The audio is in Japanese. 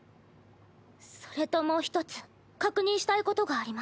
それともう一つ確認したいことがあります。